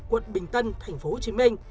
quận bình tân tp hcm